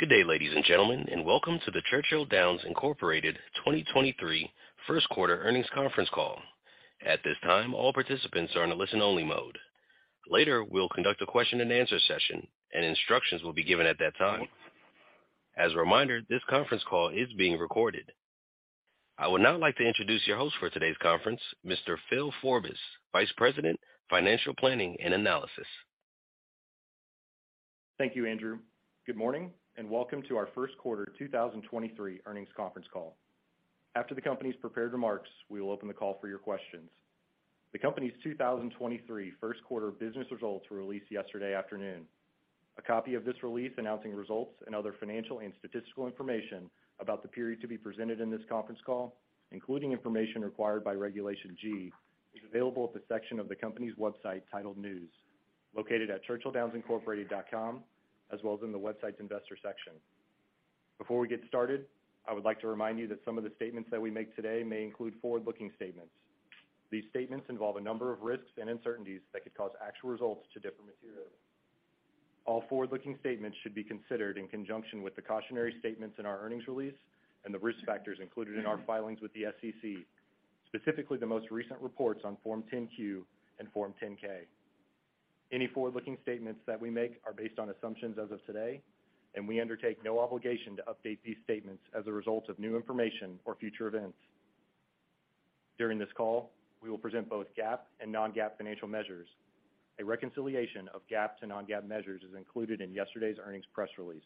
Good day, ladies and gentlemen, welcome to the Churchill Downs Incorporated 2023 Q1 earnings conference call. At this time, all participants are in a listen-only mode. Later, we'll conduct a question-and-answer session, and instructions will be given at that time. As a reminder, this conference call is being recorded. I would now like to introduce your host for today's conference, Mr. Phil Forbis, Vice President, Financial Planning and Analysis. Thank you, Andrew. Good morning, and welcome to our Q1 2023 earnings conference call. Following our prepared remarks, we will open the call for questions. The Q1 2023 business results were released yesterday afternoon. All forward-looking statements should be considered in conjunction with the cautionary statements in our earnings release and the risk factors included in our filings with the SEC, specifically the most recent reports on Form 10-Q and Form 10-K. Any forward-looking statements that we make are based on assumptions as of today, and we undertake no obligation to update these statements as a result of new information or future events. During this call, we will present both GAAP and non-GAAP financial measures. A reconciliation of GAAP to non-GAAP measures is included in yesterday's earnings press release.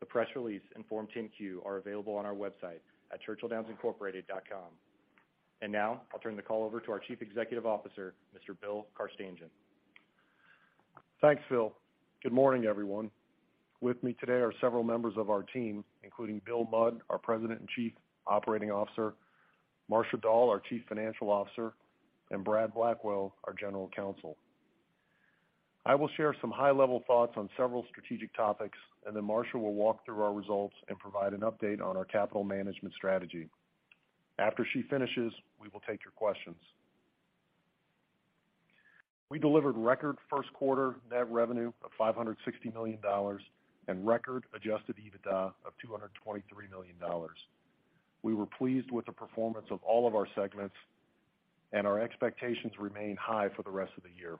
The press release and Form 10-Q are available on our website at churchilldownsincorporated.com. Now I'll turn the call over to our Chief Executive Officer, Mr. Bill Carstanjen. Thanks, Phil. Good morning, everyone. With me today are several members of our team, including Bill Mudd, our President and Chief Operating Officer, Marcia Dall, our Chief Financial Officer, and Brad Blackwell, our General Counsel. I will share some high-level thoughts on several strategic topics, and then Marcia will walk through our results and provide an update on our capital management strategy. After she finishes, we will take your questions. We delivered record Q1 net revenue of $560 million and record Adjusted EBITDA of $223 million. We were pleased with the performance of all of our segments and our expectations remain high for the rest of the year.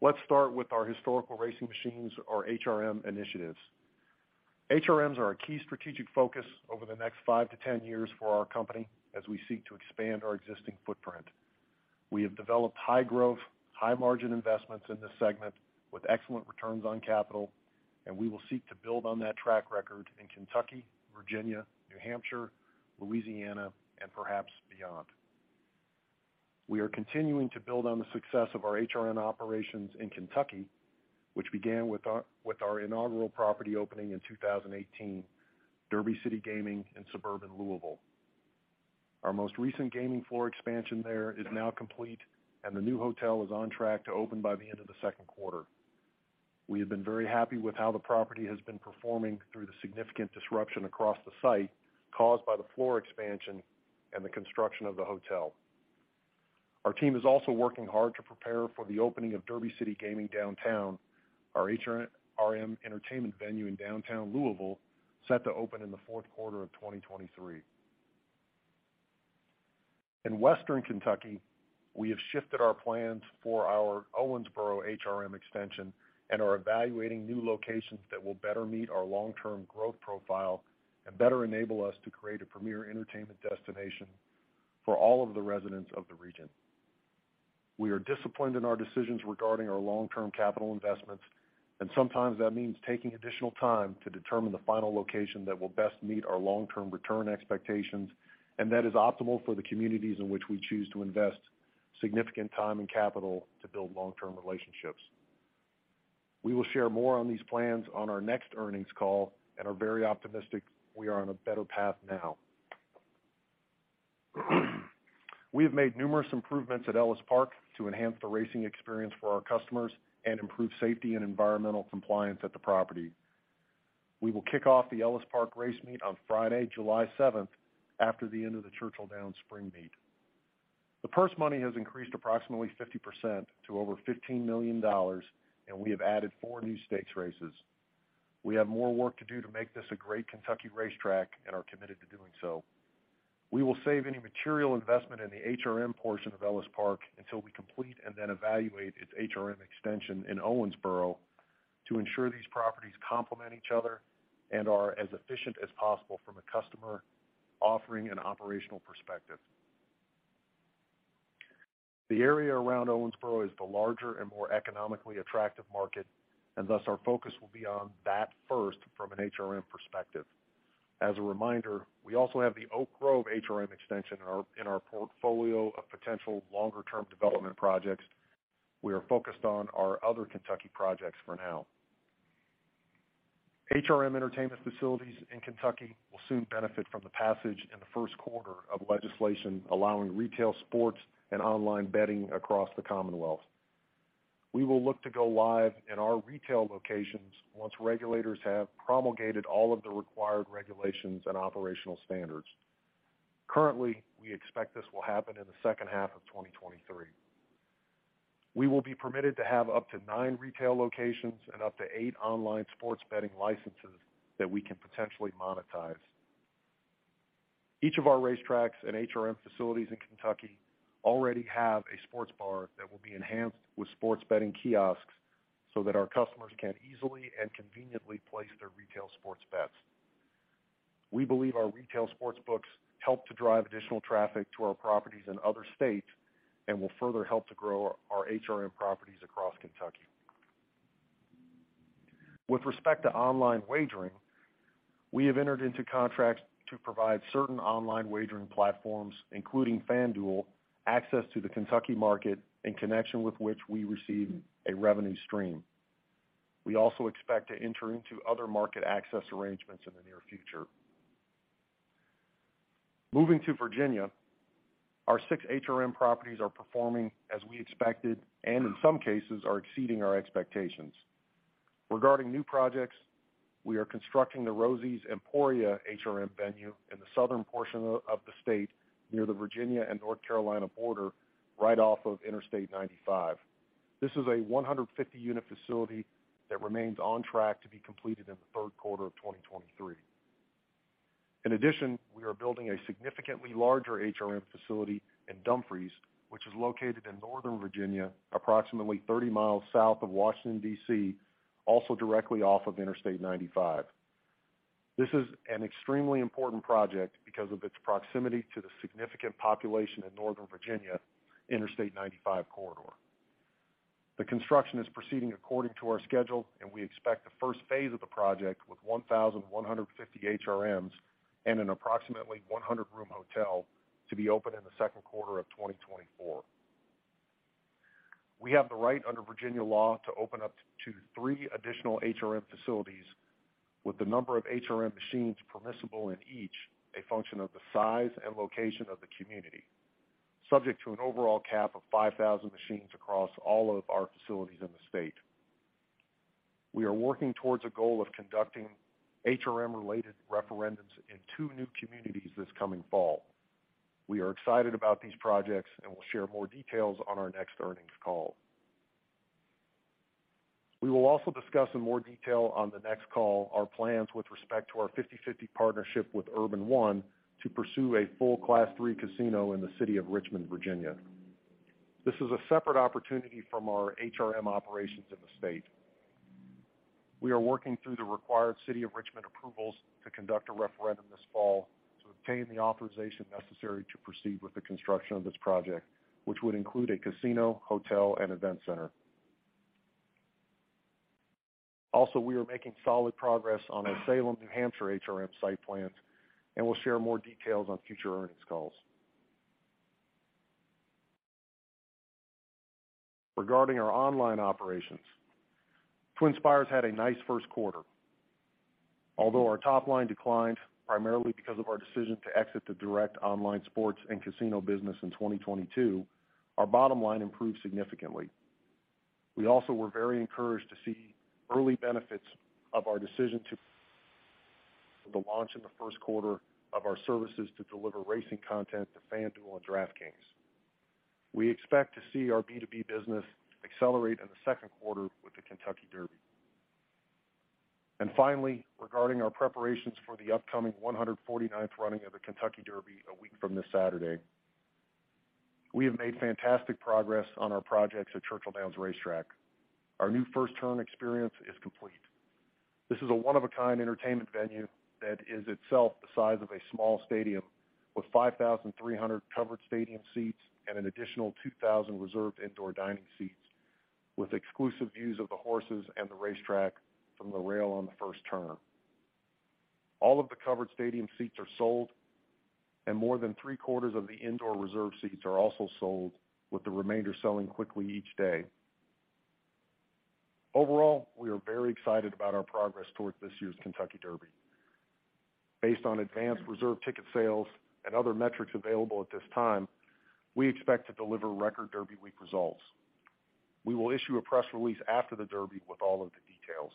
Let's start with our historical racing machines or HRM initiatives. HRMs are a key strategic focus over the next 5 to 10 years for our company as we seek to expand our existing footprint. We have developed high-growth, high-margin investments in this segment with excellent returns on capital. We will seek to build on that track record in Kentucky, Virginia, New Hampshire, Louisiana, and perhaps beyond. We are continuing to build on the success of our HRM operations in Kentucky, which began with our inaugural property opening in 2018, Derby City Gaming in suburban Louisville. Our most recent gaming floor expansion there is now complete, and the new hotel is on track to open by the end of the Q2. We have been very happy with how the property has been performing through the significant disruption across the site caused by the floor expansion and the construction of the hotel. Our team is also working hard to prepare for the opening of Derby City Gaming Downtown, our HRM entertainment venue in downtown Louisville, set to open in the Q4 of 2023. In Western Kentucky, we have shifted our plans for our Owensboro HRM extension and are evaluating new locations that will better meet our long-term growth profile and better enable us to create a premier entertainment destination for all of the residents of the region. We are disciplined in our decisions regarding our long-term capital investments, sometimes that means taking additional time to determine the final location that will best meet our long-term return expectations and that is optimal for the communities in which we choose to invest significant time and capital to build long-term relationships. We will share more on these plans on our next earnings call and are very optimistic we are on a better path now. We have made numerous improvements at Ellis Park to enhance the racing experience for our customers and improve safety and environmental compliance at the property. We will kick off the Ellis Park race meet on Friday, July 7th, after the end of the Churchill Downs spring meet. The purse money has increased approximately 50% to over $15 million, and we have added four new stakes races. We have more work to do to make this a great Kentucky racetrack and are committed to doing so. We will save any material investment in the HRM portion of Ellis Park until we complete and then evaluate its HRM extension in Owensboro to ensure these properties complement each other and are as efficient as possible from a customer offering and operational perspective. The area around Owensboro is the larger and more economically attractive market, and thus our focus will be on that first from an HRM perspective. As a reminder, we also have the Oak Grove HRM extension in our portfolio of potential longer-term development projects. We are focused on our other Kentucky projects for now. HRM entertainment facilities in Kentucky will soon benefit from the passage in the Q1 of legislation allowing retail sports and online betting across the Commonwealth. We will look to go live in our retail locations once regulators have promulgated all of the required regulations and operational standards. Currently, we expect this will happen in the second half of 2023. We will be permitted to have up to 9 retail locations and up to 8 online sports betting licenses that we can potentially monetize. Each of our racetracks and HRM facilities in Kentucky already have a sports bar that will be enhanced with sports betting kiosks so that our customers can easily and conveniently place their retail sports bets. We believe our retail sports books help to drive additional traffic to our properties in other states and will further help to grow our HRM properties across Kentucky. With respect to online wagering, we have entered into contracts to provide certain online wagering platforms, including FanDuel, access to the Kentucky market in connection with which we receive a revenue stream. We also expect to enter into other market access arrangements in the near future. Moving to Virginia, our six HRM properties are performing as we expected and in some cases are exceeding our expectations. Regarding new projects, we are constructing the Rosie's Emporia HRM venue in the southern portion of the state near the Virginia and North Carolina border, right off of Interstate 95. This is a 150-unit facility that remains on track to be completed in the Q3 of 2023. In addition, we are building a significantly larger HRM facility in Dumfries, which is located in Northern Virginia, approximately 30 miles south of Washington, D.C., also directly off of Interstate 95. This is an extremely important project because of its proximity to the significant population in Northern Virginia Interstate 95 corridor. The construction is proceeding according to our schedule, and we expect the first phase of the project with 1,150 HRMs and an approximately 100-room hotel to be open in the Q2 of 2024. We have the right under Virginia law to open up to 3 additional HRM facilities with the number of HRM machines permissible in each, a function of the size and location of the community, subject to an overall cap of 5,000 machines across all of our facilities in the state. We are working towards a goal of conducting HRM-related referendums in 2 new communities this coming fall. We are excited about these projects, and we'll share more details on our next earnings call. We will also discuss in more detail on the next call our plans with respect to our 50/50 partnership with Urban One to pursue a full Class III casino in the city of Richmond, Virginia. This is a separate opportunity from our HRM operations in the state. We are working through the required City of Richmond approvals to conduct a referendum this fall to obtain the authorization necessary to proceed with the construction of this project, which would include a casino, hotel, and event center. We are making solid progress on our Salem, New Hampshire, HRM site plans, and we'll share more details on future earnings calls. Regarding our online operations, TwinSpires had a nice Q1. Our top line declined primarily because of our decision to exit the direct online sports and casino business in 2022, our bottom line improved significantly. We also were very encouraged to see early benefits of our decision to the launch in the Q1 of our services to deliver racing content to FanDuel and DraftKings. We expect to see our B2B business accelerate in the Q2 with the Kentucky Derby. Finally, regarding our preparations for the upcoming 149th running of the Kentucky Derby a week from this Saturday, we have made fantastic progress on our projects at Churchill Downs Racetrack. Our new First Turn Experience is complete. This is a one-of-a-kind entertainment venue that is itself the size of a small stadium with 5,300 covered stadium seats and an additional 2,000 reserved indoor dining seats with exclusive views of the horses and the racetrack from the rail on the first turn. All of the covered stadium seats are sold, and more than Q3 of the indoor reserve seats are also sold, with the remainder selling quickly each day. Overall, we are very excited about our progress towards this year's Kentucky Derby. Based on advanced reserve ticket sales and other metrics available at this time, we expect to deliver record Derby week results. We will issue a press release after the Derby with all of the details.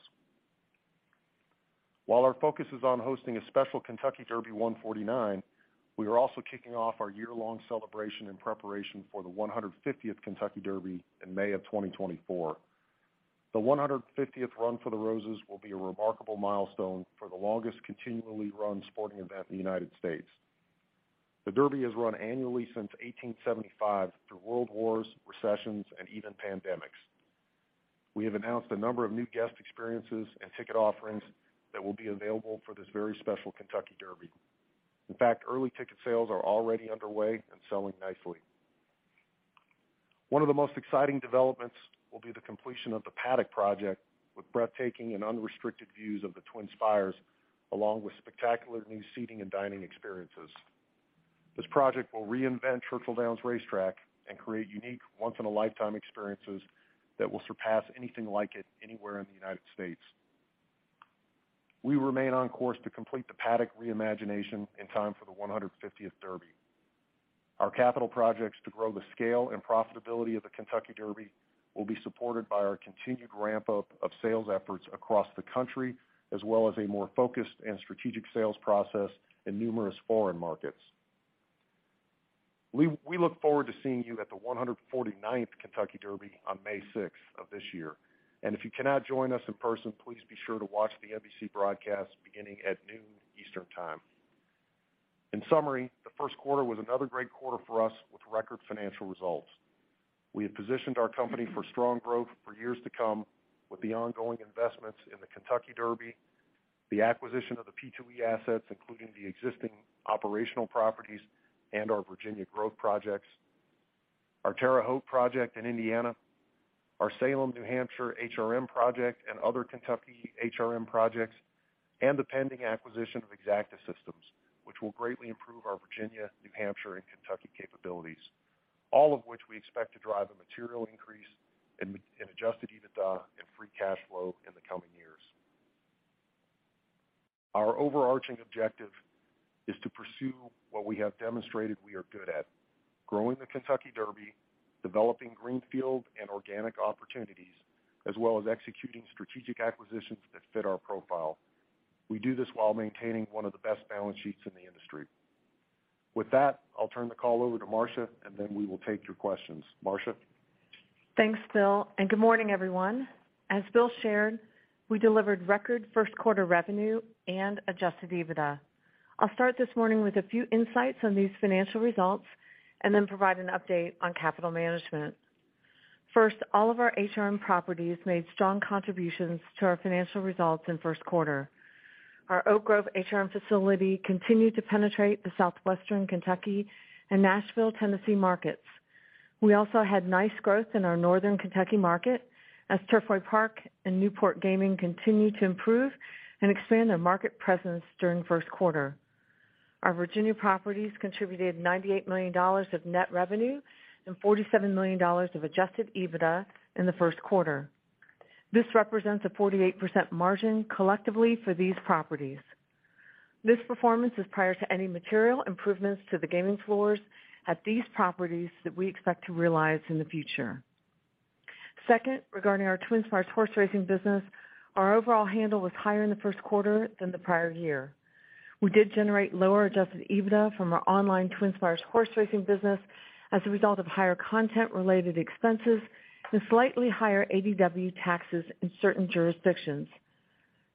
While our focus is on hosting a special Kentucky Derby 149, we are also kicking off our year-long celebration in preparation for the 150th Kentucky Derby in May of 2024. The 150th Run for the Roses will be a remarkable milestone for the longest continually run sporting event in the United States. The Derby has run annually since 1875 through world wars, recessions, and even pandemics. We have announced a number of new guest experiences and ticket offerings that will be available for this very special Kentucky Derby. In fact, early ticket sales are already underway and selling nicely. One of the most exciting developments will be the completion of the Paddock project with breathtaking and unrestricted views of the Twin Spires, along with spectacular new seating and dining experiences. This project will reinvent Churchill Downs Racetrack and create unique once-in-a-lifetime experiences that will surpass anything like it anywhere in the United States. We remain on course to complete the Paddock reimagination in time for the 150th Derby. Our capital projects to grow the scale and profitability of the Kentucky Derby will be supported by our continued ramp-up of sales efforts across the country, as well as a more focused and strategic sales process in numerous foreign markets. We look forward to seeing you at the 149th Kentucky Derby on May 6th of this year. If you cannot join us in person, please be sure to watch the NBC broadcast beginning at 12:00 P.M. Eastern Time. In summary, the Q1 was another great quarter for us with record financial results. We have positioned our company for strong growth for years to come with the ongoing investments in the Kentucky Derby, the acquisition of the P2E assets, including the existing operational properties and our Virginia growth projects, our Terre Haute project in Indiana, our Salem, New Hampshire HRM project and other Kentucky HRM projects, and the pending acquisition of Exacta Systems, which will greatly improve our Virginia, New Hampshire and Kentucky capabilities, all of which we expect to drive a material increase in Adjusted EBITDA and free cash flow in the coming years. Our overarching objective is to pursue what we have demonstrated we are good at, growing the Kentucky Derby, developing greenfield and organic opportunities, as well as executing strategic acquisitions that fit our profile. We do this while maintaining one of the best balance sheets in the industry. With that, I'll turn the call over to Marcia, and then we will take your questions. Marcia? Thanks, Bill. Good morning, everyone. As Bill shared, we delivered record Q1 revenue and Adjusted EBITDA. I'll start this morning with a few insights on these financial results and then provide an update on capital management. First, all of our HRM properties made strong contributions to our financial results in Q1. Our Oak Grove HRM facility continued to penetrate the Southwestern Kentucky and Nashville, Tennessee markets. We also had nice growth in our Northern Kentucky market as Turfway Park and Newport Gaming continued to improve and expand their market presence during Q1. Our Virginia properties contributed $98 million of net revenue and $47 million of Adjusted EBITDA in the Q1. This represents a 48% margin collectively for these properties. This performance is prior to any material improvements to the gaming floors at these properties that we expect to realize in the future. Second, regarding our TwinSpires horse racing business, our overall handle was higher in the Q1 than the prior year. We did generate lower Adjusted EBITDA from our online TwinSpires horse racing business as a result of higher content-related expenses and slightly higher ADW taxes in certain jurisdictions.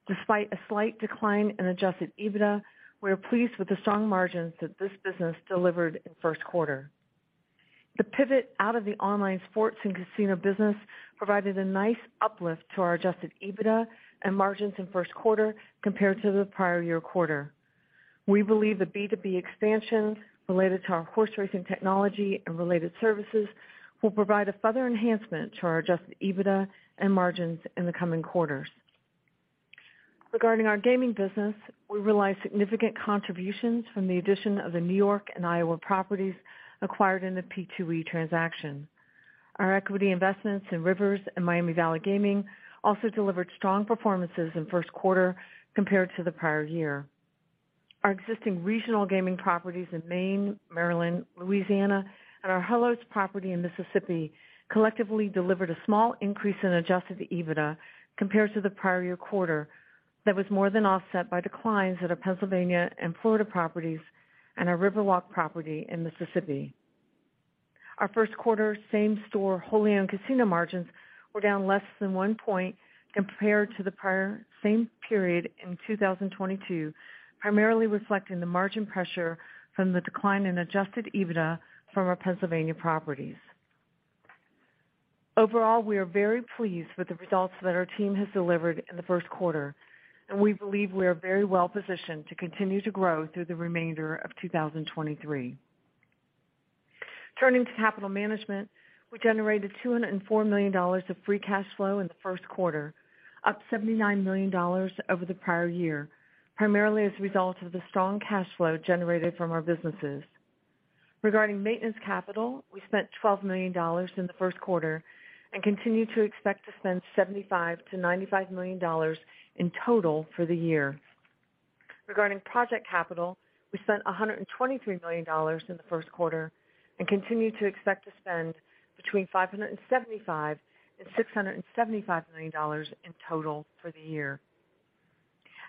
Despite a slight decline in Adjusted EBITDA, we are pleased with the strong margins that this business delivered in Q1. The pivot out of the online sports and casino business provided a nice uplift to our Adjusted EBITDA and margins in Q1 compared to the prior year quarter. We believe the B2B expansions related to our horse racing technology and related services will provide a further enhancement to our Adjusted EBITDA and margins in the coming quarters. Regarding our gaming business, we realized significant contributions from the addition of the New York and Iowa properties acquired in the P2E transaction. Our equity investments in Rivers and Miami Valley Gaming also delivered strong performances in Q1 compared to the prior year. Our existing regional gaming properties in Maine, Maryland, Louisiana, and our Harlow's property in Mississippi collectively delivered a small increase in Adjusted EBITDA compared to the prior year quarter that was more than offset by declines at our Pennsylvania and Florida properties and our Riverwalk property in Mississippi. Our Q1 same store wholly owned casino margins were down less than one point compared to the prior same period in 2022, primarily reflecting the margin pressure from the decline in Adjusted EBITDA from our Pennsylvania properties. We are very pleased with the results that our team has delivered in the Q1, and we believe we are very well positioned to continue to grow through the remainder of 2023. Turning to capital management, we generated $204 million of free cash flow in the Q1, up $79 million over the prior year, primarily as a result of the strong cash flow generated from our businesses. Regarding maintenance capital, we spent $12 million in the Q1 and continue to expect to spend $75 million-$95 million in total for the year. Regarding project capital, we spent $123 million in the Q1 and continue to expect to spend between $575 million and $675 million in total for the year.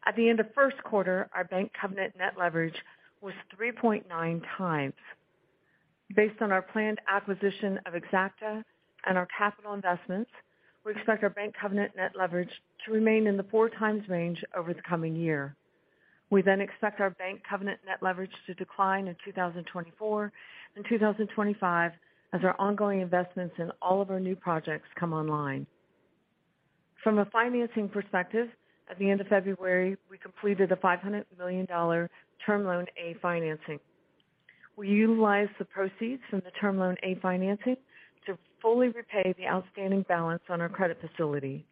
At the end of Q1, our bank covenant net leverage was 3.9 times. Based on our planned acquisition of Exacta and our capital investments, we expect our bank covenant net leverage to remain in the 4 times range over the coming year. We expect our bank covenant net leverage to decline in 2024 and 2025 as our ongoing investments in all of our new projects come online. From a financing perspective, at the end of February, we completed a $500 million Term Loan A financing. We utilized the proceeds from the Term Loan A financing to fully repay the outstanding balance on our credit facility.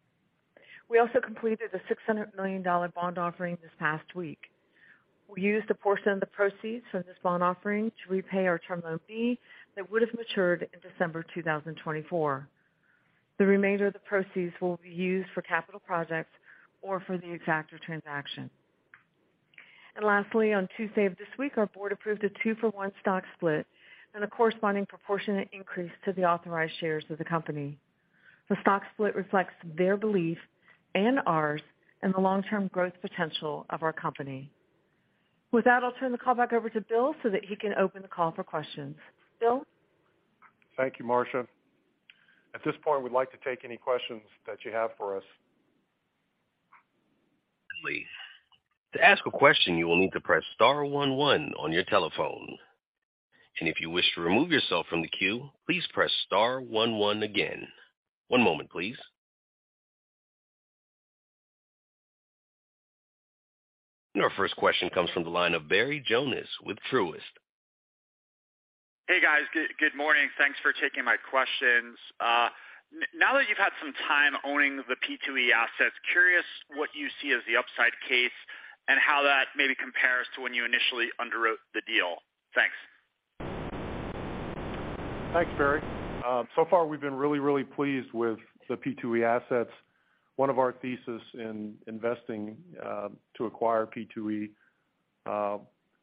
We also completed a $600 million bond offering this past week. We used a portion of the proceeds from this bond offering to repay our Term Loan B that would have matured in December 2024. The remainder of the proceeds will be used for capital projects or for the Exacta transaction. Lastly, on Tuesday of this week, our board approved a 2-for-1 stock split and a corresponding proportionate increase to the authorized shares of the company. The stock split reflects their belief and ours in the long-term growth potential of our company. With that, I'll turn the call back over to Bill so that he can open the call for questions. Bill? Thank you, Marcia. At this point, we'd like to take any questions that you have for us. Please. To ask a question, you will need to press star 11 on your telephone. If you wish to remove yourself from the queue, please press star 11 again. One moment, please. Our first question comes from the line of Barry Jonas with Truist. Hey, guys. Good morning. Thanks for taking my questions. Now that you've had some time owning the P2E assets, curious what you see as the upside case and how that maybe compares to when you initially underwrote the deal. Thanks. Thanks, Barry. So far we've been, pleased with the P2E assets. One of our thesis in investing to acquire P2E,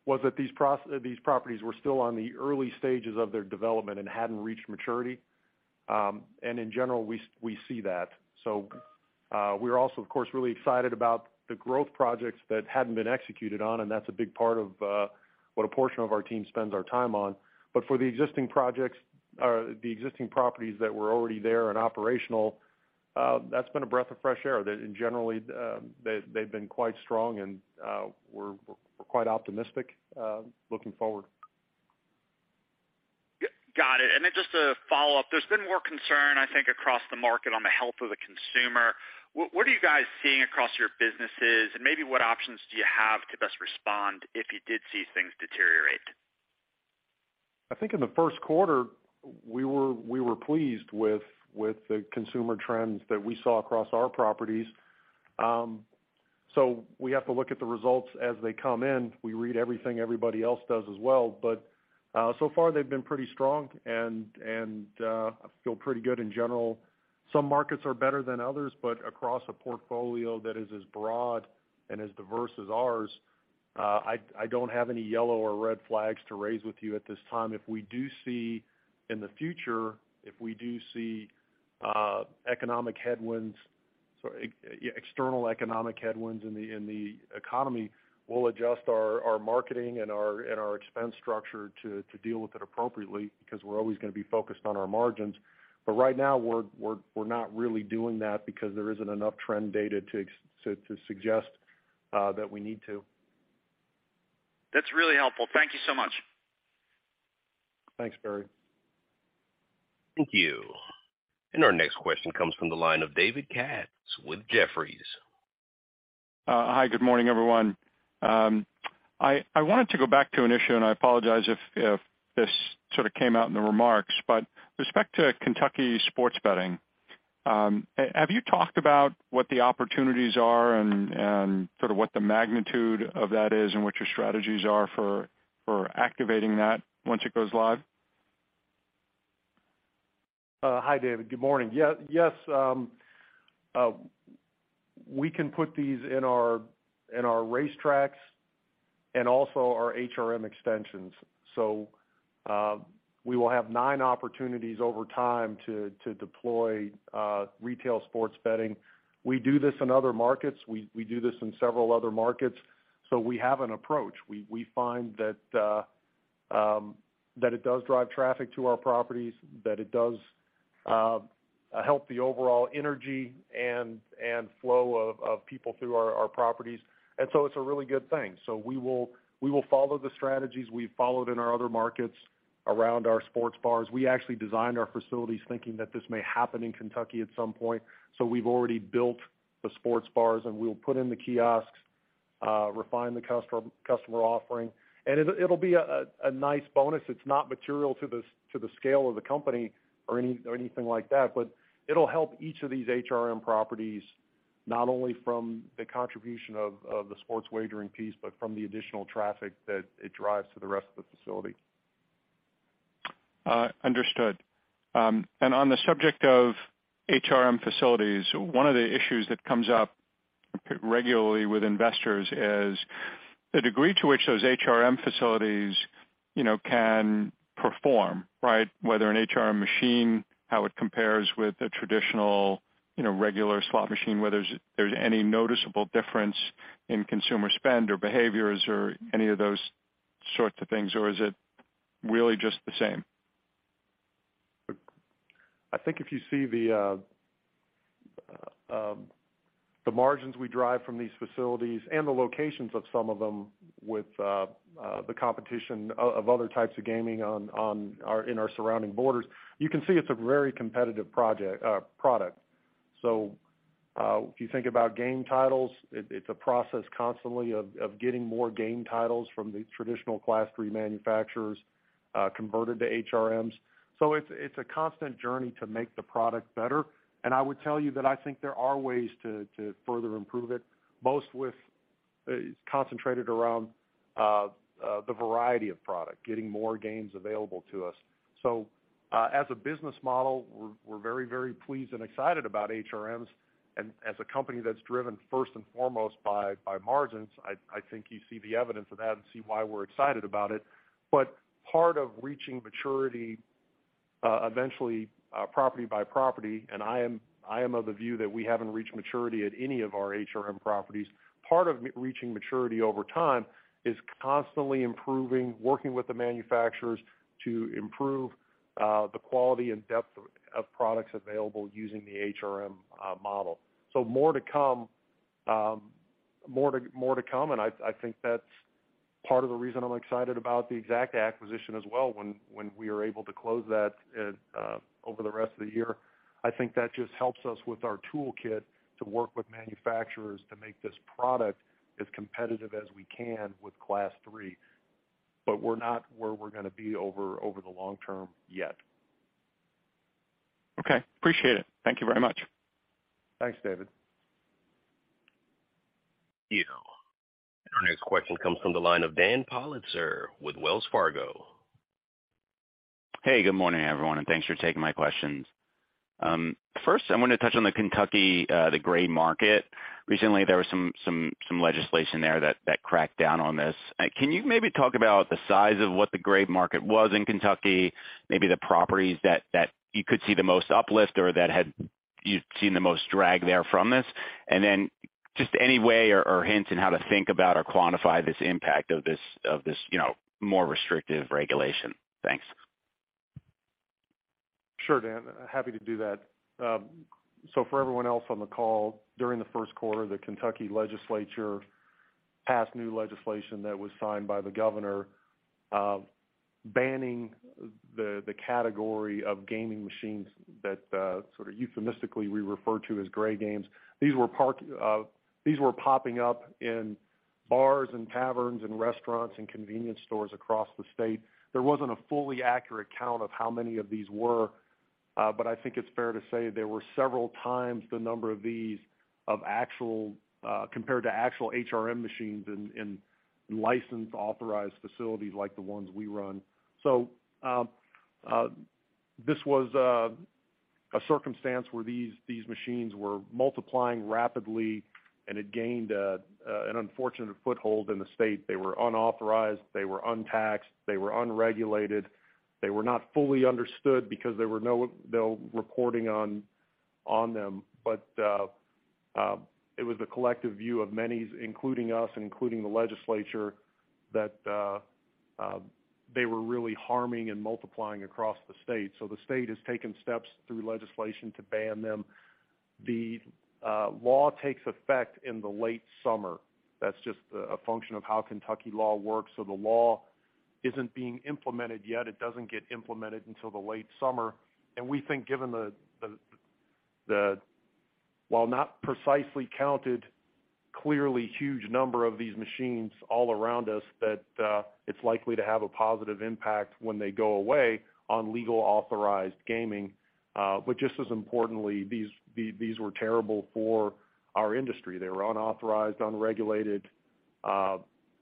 was that these properties were still on the early stages of their development and hadn't reached maturity. In general, we see that. we are also, of course, excited about the growth projects that hadn't been executed on, and that is a big part of what a portion of our team spends our time on. For the existing properties that were already there and operational, that is been a breath of fresh air. Generally, they've been quite strong, and we are quite optimistic looking forward. Got it. Just a follow-up. There's been more concern,, across the market on the health of the consumer. What are you guys seeing across your businesses? Maybe what options do you have to best respond if you did see things deteriorate? in the Q1, we were pleased with the consumer trends that we saw across our properties. We have to look at the results as they come in. We read everything everybody else does as well. So far they've been pretty strong and I feel pretty good in general. Some markets are better than others, but across a portfolio that is as broad and as diverse as ours, I do not have any yellow or red flags to raise with you at this time. In the future, if we do see economic headwinds, so, external economic headwinds in the economy, we'll adjust our marketing and our expense structure to deal with it appropriately because we are always goin to be focused on our margins. Right now we are not doing that because there isn't enough trend data to suggest that we need to. That is helpful. Thank you so much. Thanks, Barry. Thank you. Our next question comes from the line of David Katz with Jefferies. Hi, good morning, everyone. I wanted to go back to an issue. I apologize if this came out in the remarks. With respect to Kentucky sports betting, have you talked about what the opportunities are and what the magnitude of that is and what your strategies are for activating that once it goes live? Hi, David. Good morning. Yes, we can put these in our racetracks and also our HRM extensions. We will have 9 opportunities over time to deploy retail sports betting. We do this in other markets, we do this in several other markets, so we have an approach. We find that it does drive traffic to our properties, that it does help the overall energy and flow of people through our properties. it is a good thing. We will follow the strategies we followed in our other markets around our sports bars. We designed our facilities thinking that this may happen in Kentucky at some point. We've already built the sports bars, and we'll put in the kiosks, refine the custom-customer offering. It'll be a nice bonus. it is not material to the scale of the company or anything like that, but it'll help each of these HRM properties, not only from the contribution of the sports wagering piece, but from the additional traffic that it drives to the rest of the facility. Understood. On the subject of HRM facilities, one of the issues that comes up regularly with investors is the degree to which those HRM facilities, can perform, Whether an HRM machine, how it compares with a traditional, regular slot machine, whether there's any noticeable difference in consumer spend or behaviors or any of those sorts of things, or is it just the same? if you see the margins we drive from these facilities and the locations of some of them with the competition of other types of gaming on our surrounding borders, you can see it is a very competitive product. If you think about game titles, it is a process constantly of getting more game titles from the traditional Class III manufacturers converted to HRMs. it is a constant journey to make the product better. I would tell you that there are ways to further improve it, most with concentrated around the variety of product, getting more games available to us. As a business model, we are very, very pleased and excited about HRMs. As a company that is driven first and foremost by margins, you see the evidence of that and see why we are excited about it. Part of reaching maturity, eventually, property by property, and I am of the view that we haven't reached maturity at any of our HRM properties. Part of reaching maturity over time is constantly improving, working with the manufacturers to improve the quality and depth of products available using the HRM model. More to come. More to come, and that is part of the reason I'm excited about the Exacta acquisition as well, when we are able to close that over the rest of the year. that just helps us with our toolkit to work with manufacturers to make this product as competitive as we can with Class III. we are not where we are going to be over the long term yet. Appreciate it. Thank you very much. Thanks, David. Thank you. Our next question comes from the line of Dan Politzer with Wells Fargo. Hey, good morning, everyone, and thanks for taking my questions. First, I want to touch on the Kentucky gray machines. Recently, there was some legislation there that cracked down on this. Can you maybe talk about the size of what the gray machines was in Kentucky, maybe the properties that you could see the most uplift or that had you've seen the most drag there from this? And then just any way or hints in how to think about or quantify this impact of this, more restrictive regulation. Thanks. Happy to do that. For everyone else on the call, during the Q1, the Kentucky legislature passed new legislation that was signed by the governor, banning the category of gaming machines that euphemistically we refer to as gray games. These were popping up in bars and taverns and restaurants and convenience stores across the state. There wasn't a fully accurate count of how many of these were, but it is fair to say there were several times the number of these compared to actual HRM machines in licensed, authorized facilities like the ones we run. This was a circumstance where these machines were multiplying rapidly and had gained an unfortunate foothold in the state. They were unauthorized, they were untaxed, they were unregulated, they were not fully understood because there were no reporting on them. It was the collective view of many, including us and including the legislature, that they were harming and multiplying across the state. The state has taken steps through legislation to ban them. The law takes effect in the late summer. that is just a function of how Kentucky law works. The law isn't being implemented yet. It doesn't get implemented until the late summer. We think, given the while not precisely counted, clearly huge number of these machines all around us, that it is likely to have a positive impact when they go away on legal authorized gaming. Just as importantly, these were terrible for our industry. They were unauthorized, unregulated,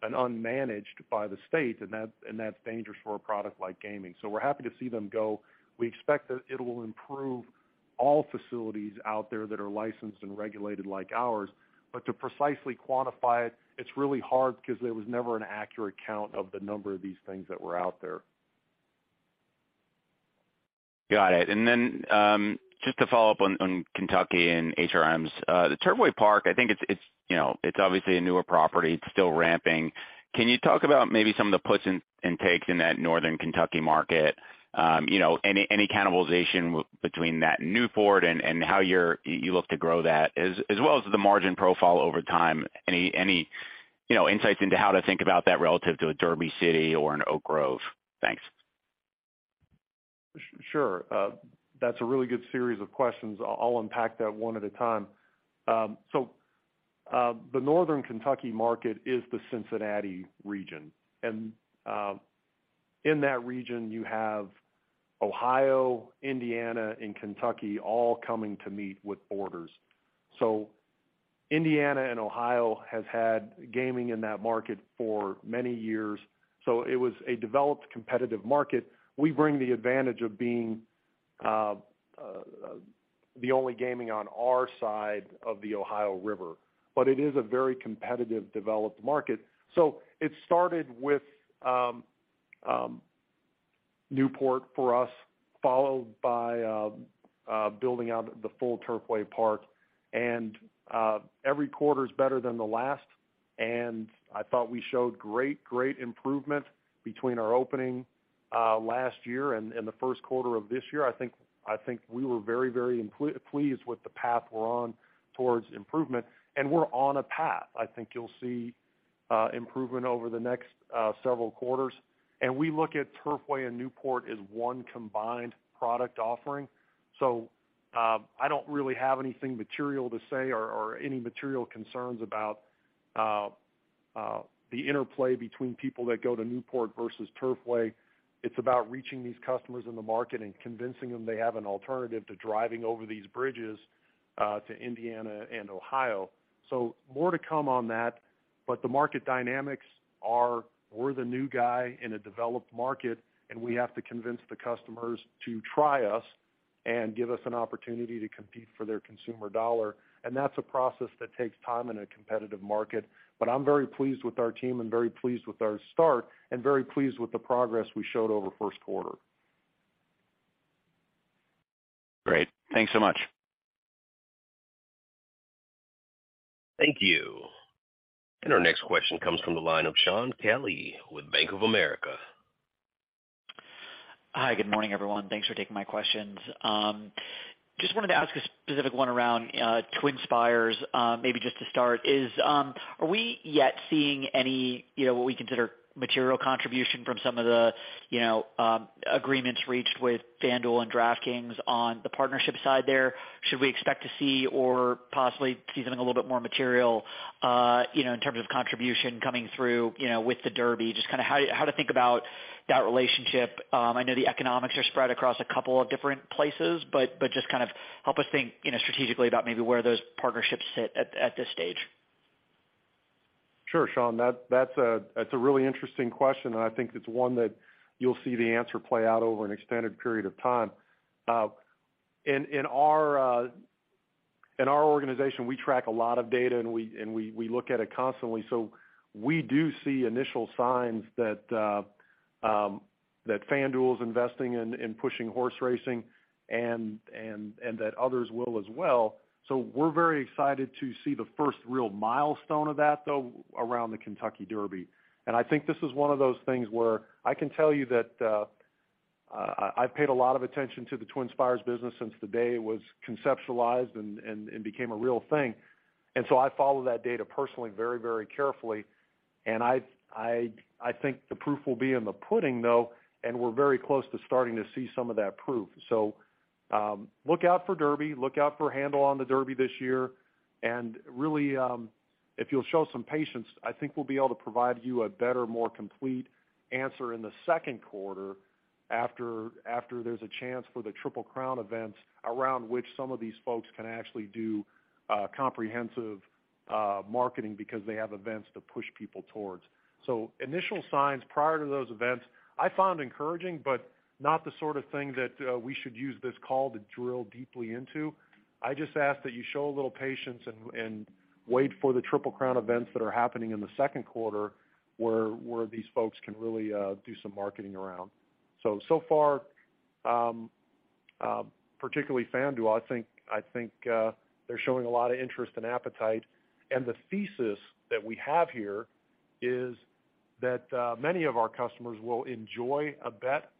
and unmanaged by the state, and that is dangerous for a product like gaming. we are happy to see them go. We expect that it will improve all facilities out there that are licensed and regulated like ours. To precisely quantify it is hard because there was never an accurate count of the number of these things that were out there. Got it. Just to follow up on Kentucky and HRMs, the Turfway Park, it is, it is obviously a newer property. it is still ramping. Can you talk about maybe some of the puts and takes in that Northern Kentucky market? any cannibalization between that and Newport and how you look to grow that, as well as the margin profile over time? Any, insights into how to think about that relative to a Derby City or an Oak Grove? Thanks. That is a good series of questions. I'll unpack that one at a time. The Northern Kentucky market is the Cincinnati region. In that region, you have Ohio, Indiana and Kentucky all coming to meet with borders. Indiana and Ohio has had gaming in that market for many years, so it was a developed competitive market. We bring the advantage of being the only gaming on our side of the Ohio River, but it is a very competitive, developed market. It started with Newport for us, followed by building out the full Turfway Park. Every quarter is better than the last, and I thought we showed great improvement between our opening last year and the Q1 of this year. We were very pleased with the path we are on towards improvement, and we are on a path. you'll see improvement over the next several quarters. We look at Turfway and Newport as one combined product offering. I do not have anything material to say or any material concerns about the interplay between people that go to Newport versus Turfway. it is about reaching these customers in the market and convincing them they have an alternative to driving over these bridges to Indiana and Ohio. More to come on that, but the market dynamics are we are the new guy in a developed market, and we have to convince the customers to try us and give us an opportunity to compete for their consumer dollar. that is a process that takes time in a competitive market. I'm very pleased with our team and very pleased with our start and very pleased with the progress we showed over Q1. Great. Thanks so much. Thank you. Our next question comes from the line of Shaun Kelley with Bank of America. Hi, good morning, everyone. Thanks for taking my questions. Just wanted to ask a specific one around TwinSpires, maybe just to start is, are we yet seeing any, what we consider material contribution from some of the, agreements reached with FanDuel and DraftKings on the partnership side there? Should we expect to see or possibly see something a little bit more material, in terms of contribution coming through, with the Derby? Just kinda how to think about that relationship. I know the economics are spread across a couple of different places, but just help us think, strategically about maybe where those partnerships sit at this stage. Sure, Shaun. that is a interesting question, it is one that you'll see the answer play out over an extended period of time. In our organization, we track a lot of data, and we look at it constantly. We do see initial signs that FanDuel is investing in pushing horse racing and that others will as well. we are very excited to see the first real milestone of that, though, around the Kentucky Derby. this is one of those things where I can tell you that I've paid a lot of attention to the TwinSpires business since the day it was conceptualized and became a real thing. I follow that data personally very carefully. the proof will be in the pudding, though, and we are very close to starting to see some of that proof. Look out for Derby, look out for handle on the Derby this year., if you'll show some patience, we'll be able to provide you a better, more complete answer in the Q2 after there's a chance for the Triple Crown events around which some of these folks can do comprehensive marketing because they have events to push people towards. Initial signs prior to those events, I found encouraging, but not the thing that we should use this call to drill deeply into. I just ask that you show a little patience and wait for the Triple Crown events that are happening in the Q2, where these folks can do some marketing around. So far, particularly FanDuel,, they're showing a lot of interest and appetite. The thesis that we have here is that many of our customers will enjoy a bet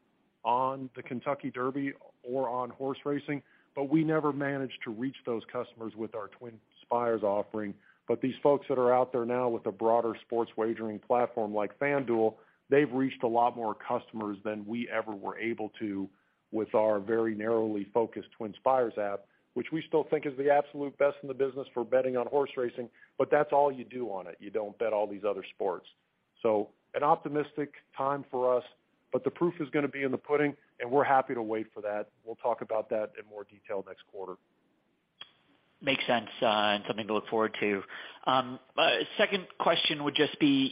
on the Kentucky Derby or on horse racing, but we never managed to reach those customers with our TwinSpires offering. These folks that are out there now with a broader sports wagering platform like FanDuel, they've reached a lot more customers than we ever were able to with our very narrowly focused TwinSpires app, which we still think is the absolute best in the business for betting on horse racing. That is all you do on it. You do not bet all these other sports. An optimistic time for us, but the proof is goin to be in the pudding, and we are happy to wait for that. We'll talk about that in more detail next quarter. Makes sense, and something to look forward to. Second question would just be,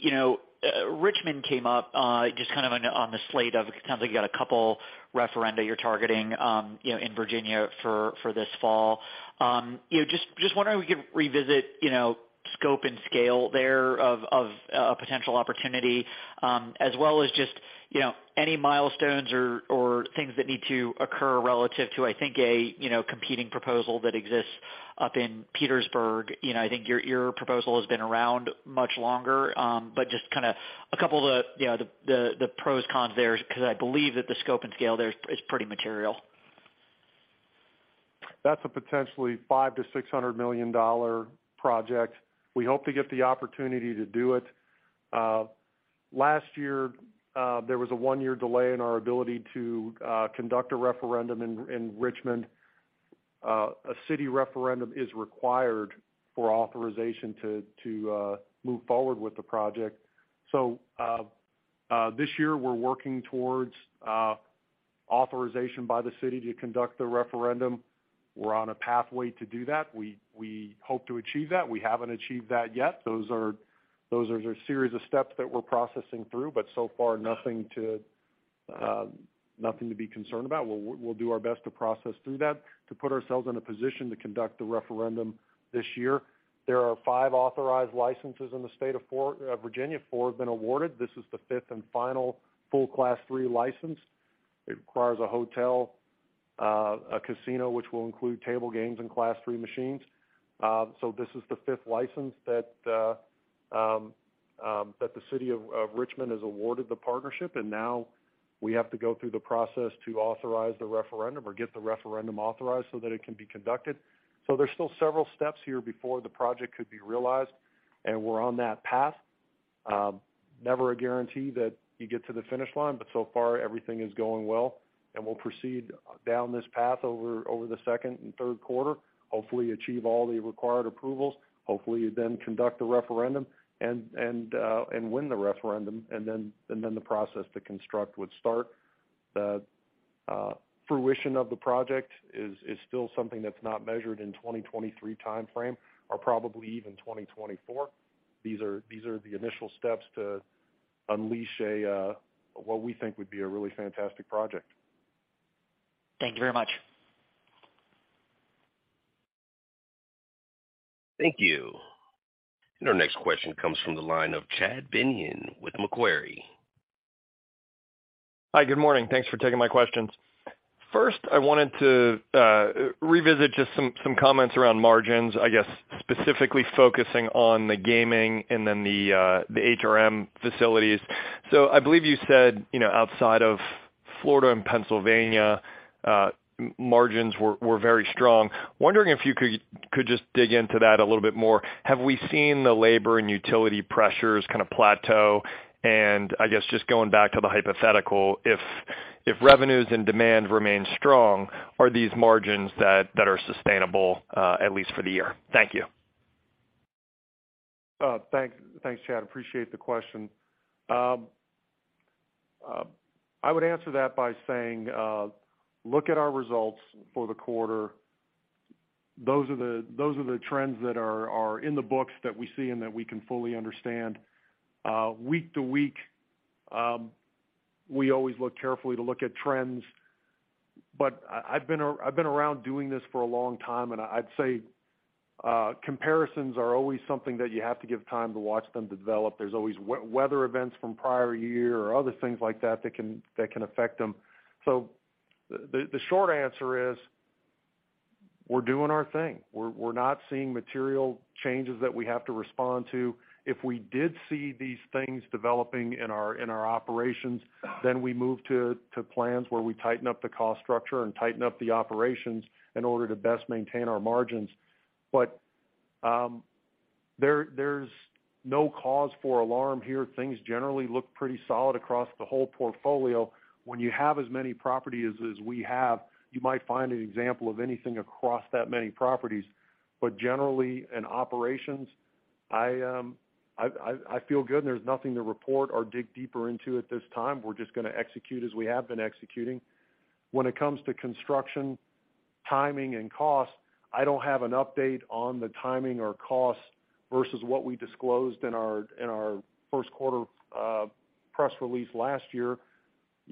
Richmond came up just on the slate of it sounds like you got a couple referenda you are targeting, in Virginia for this fall. just wondering if we could revisit, scope and scale there of potential opportunity, as well as just, any milestones or things that need to occur relative to,, a, competing proposal that exists up in Petersburg. your proposal has been around much longer. Just kinda a couple of the, the pros, cons there because I believe that the scope and scale there is pretty material. That is a potentially $500 million-$600 million project. We hope to get the opportunity to do it. Last year, there was a one-year delay in our ability to conduct a referendum in Richmond. A city referendum is required for authorization to move forward with the project. This year, we are working towards authorization by the city to conduct the referendum. we are on a pathway to do that. We hope to achieve that. We haven't achieved that yet. Those are a series of steps that we are processing through, but so far, nothing to nothing to be concerned about. We'll do our best to process through that to put ourselves in a position to conduct the referendum this year. There are five authorized licenses in the state of Virginia. Four have been awarded. This is the fifth and final full Class III license. It requires a hotel, a casino which will include table games and Class III machines. This is the fifth license that the city of Richmond has awarded the partnership, and now we have to go through the process to authorize the referendum or get the referendum authorized so that it can be conducted. There's still several steps here before the project could be realized, and we are on that path. Never a guarantee that you get to the finish line, but so far everything is going well. We'll proceed down this path over the second and Q3, hopefully achieve all the required approvals, hopefully then conduct the referendum and win the referendum, and then the process to construct would start. The fruition of the project is still something that is not measured in 2023 timeframe or probably even 2024. These are the initial steps to unleash a, what we think would be a fantastic project. Thank you very much. Thank you. Our next question comes from the line of Chad Beynon with Macquarie. Hi, good morning. Thanks for taking my questions. First, I wanted to revisit just some comments around margins, I guess, specifically focusing on the gaming and then the HRM facilities. I believe you said, outside of Florida and Pennsylvania, margins were very strong. Wondering if you could just dig into that a little bit more? Have we seen the labor and utility pressures plateau? I guess, just going back to the hypothetical, if revenues and demand remain strong, are these margins that are sustainable, at least for the year? Thank you. Thanks, Chad. Appreciate the question. I would answer that by saying, look at our results for the quarter. Those are the trends that are in the books that we see and that we can fully understand. Week to week, we always look carefully to look at trends. I've been around doing this for a long time, and I'd say, comparisons are always something that you have to give time to watch them develop. There's always weather events from prior year or other things like that that can affect them. The short answer is, we are doing our thing. we are not seeing material changes that we have to respond to. If we did see these things developing in our operations, then we move to plans where we tighten up the cost structure and tighten up the operations in order to best maintain our margins. There's no cause for alarm here. Things generally look pretty solid across the whole portfolio. When you have as many properties as we have, you might find an example of anything across that many properties. Generally, in operations, I feel good, and there's nothing to report or dig deeper into at this time. we are just goin to execute as we have been executing. When it comes to construction, timing, and cost, I do not have an update on the timing or cost versus what we disclosed in our Q1 press release last year.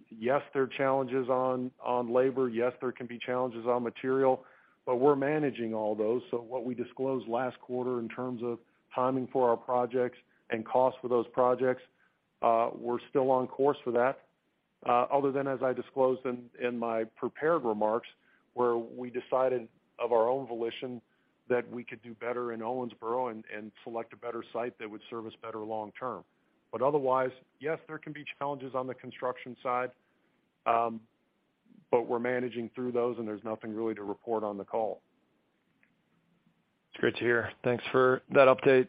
Yes, there are challenges on labor. Yes, there can be challenges on material, but we are managing all those. What we disclosed last quarter in terms of timing for our projects and cost for those projects, we are still on course for that. Other than as I disclosed in my prepared remarks, where we decided of our own volition that we could do better in Owensboro and select a better site that would serve us better long term. Otherwise, yes, there can be challenges on the construction side, but we are managing through those, and there's nothing to report on the call. It is great to hear. Thanks for that update.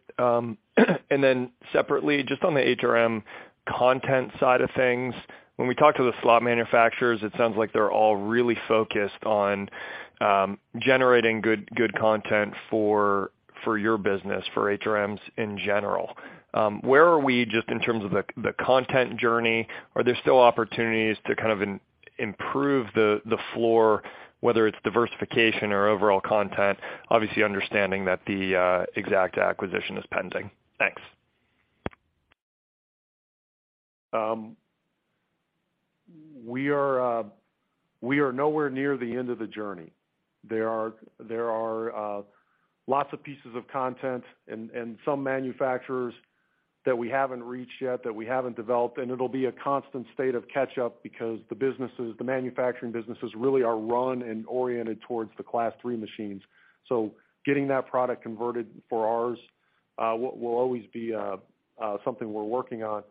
Separately, just on the HRM content side of things, when we talk to the slot manufacturers, it sounds like they're all focused on generating good content for your business, for HRMs in general. Where are we just in terms of the content journey? Are there still opportunities to improve the floor, whether it is diversification or overall content, obviously understanding that the Exacta acquisition is pending? Thanks. We are nowhere near the end of the journey. There are lots of pieces of content and some manufacturers that we haven't reached yet, that we haven't developed, and it'll be a constant state of catch up because the businesses, the manufacturing businesses are run and oriented towards the Class III machines. Getting that product converted for ours will always be something we are working on.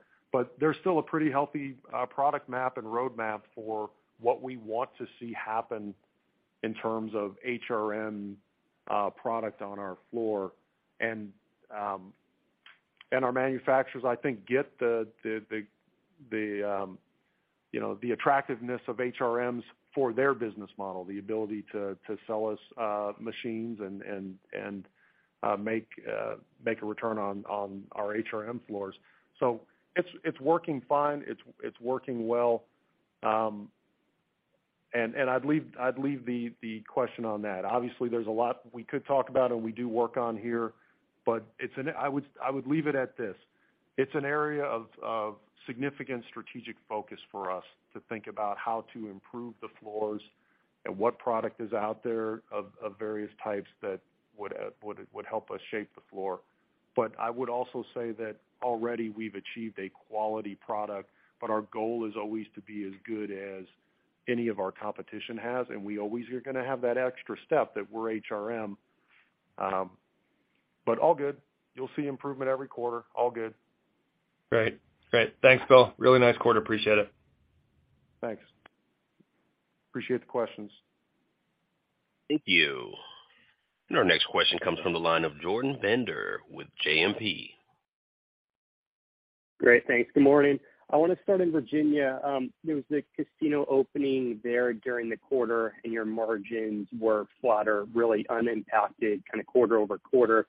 There's still a pretty healthy product map and roadmap for what we want to see happen in terms of HRM product on our floor. Our manufacturers,, get the, the attractiveness of HRMs for their business model, the ability to sell us machines and make a return on our HRM floors. it is working fine. it is working well. I'd leave the question on that. Obviously, there's a lot we could talk about, and we do work on here, but I would leave it at this. it is an area of significant strategic focus for us to think about how to improve the floors and what product is out there of various types that would help us shape the floor. I would also say that already we've achieved a quality product, but our goal is always to be as good as any of our competition has, and we always are goin to have that extra step that we are HRM. All good. You'll see improvement every quarter. All good. Great. Thanks, Bill. nice quarter. Appreciate it. Thanks. Appreciate the questions. Thank you. Our next question comes from the line of Jordan Bender with JMP. Great. Thanks. Good morning. I want to start in Virginia. There was a casino opening there during the quarter, and your margins were flatter, unimpacted quarter-over-quarter.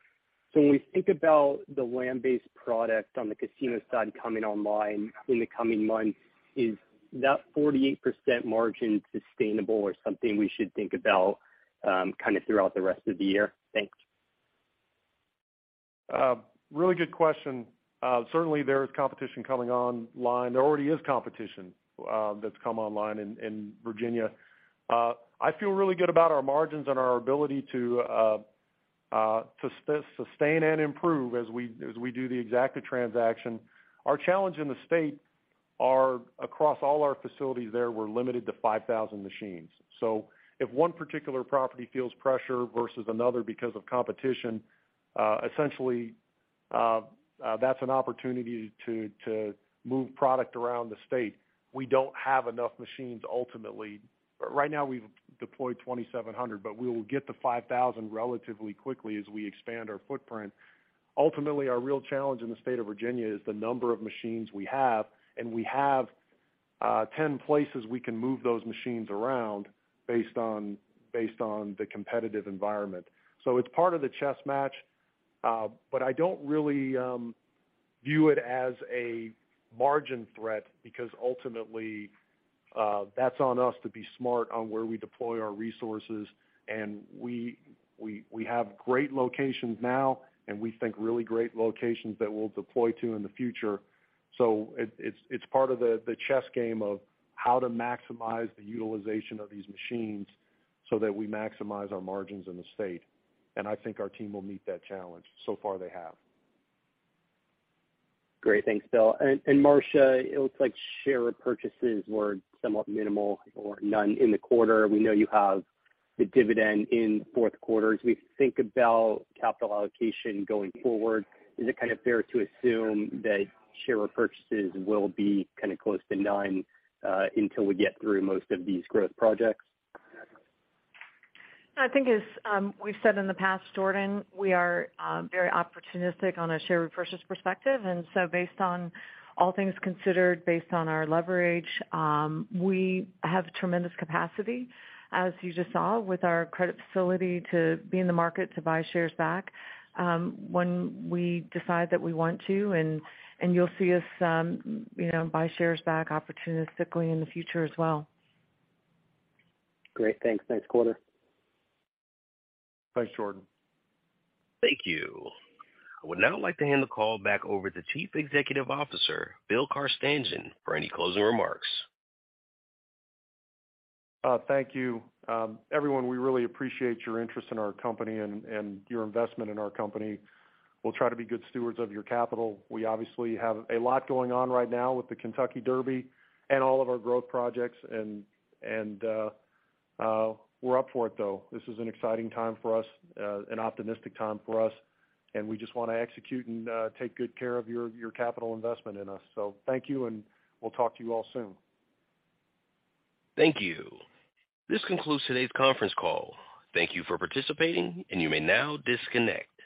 When we think about the land-based product on the casino side coming online in the coming months, is that 48% margin sustainable or something we should think about throughout the rest of the year? Thanks. Good question. Certainly there is competition coming online. There already is competition that is come online in Virginia. I feel good about our margins and our ability to sustain and improve as we do the Exacta transaction. Our challenge in the state are across all our facilities there, we are limited to 5,000 machines. If one particular property feels pressure versus another because of competition, essentially that is an opportunity to move product around the state. We do not have enough machines ultimately. Right now we've deployed 2,700, but we will get to 5,000 relatively quickly as we expand our footprint. Ultimately, our real challenge in the state of Virginia is the number of machines we have, and we have 10 places we can move those machines around based on, based on the competitive environment. it is part of the chess match, but I do not view it as a margin threat because ultimately, that is on us to be smart on where we deploy our resources. We have great locations now and we think great locations that we'll deploy to in the future. it is part of the chess game of how to maximize the utilization of these machines so that we maximize our margins in the state. our team will meet that challenge. Far they have. Great. Thanks, Bill. Marcia, it looks like share repurchases were somewhat minimal or none in the quarter. We know you have the dividend in Q4. As we think about capital allocation going forward, is it fair to assume that share repurchases will be kinda close to none until we get through most of these growth projects? As we've said in the past, Jordan, we are very opportunistic on a share repurchase perspective. Based on all things considered, based on our leverage, we have tremendous capacity, as you just saw, with our credit facility to be in the market to buy shares back when we decide that we want to. You'll see us, buy shares back opportunistically in the future as well. Great. Thanks. Nice quarter. Thanks, Jordan. Thank you. I would now like to hand the call back over to Chief Executive Officer, Bill Carstanjen, for any closing remarks. Thank you. Everyone, we appreciate your interest in our company and your investment in our company. We'll try to be good stewards of your capital. We obviously have a lot going on right now with the Kentucky Derby and all of our growth projects, we are up for it though. This is an exciting time for us, an optimistic time for us, and we just want to execute and take good care of your capital investment in us. Thank you, and we'll talk to you all soon. Thank you. This concludes today's conference call. Thank you for participating, and you may now disconnect.